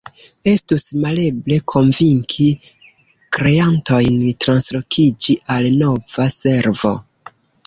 Estus maleble konvinki kreantojn translokiĝi al nova servo.